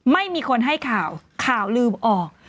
ไม่มีคนให้ข่าวข่าวลืมออก